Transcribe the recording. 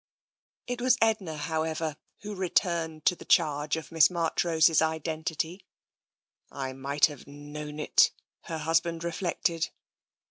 It was Edna, however, who returned to the charge of Miss Marchrose's identity. " I might have known it," her husband reflected.